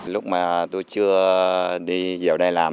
lúc mà tôi chưa đi vào đây làm